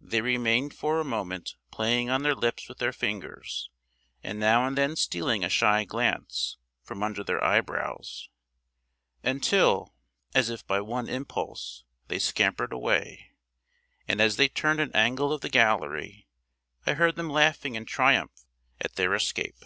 They remained for a moment playing on their lips with their fingers, and now and then stealing a shy glance, from under their eyebrows, until, as if by one impulse, they scampered away, and as they turned an angle of the gallery, I heard them laughing in triumph at their escape.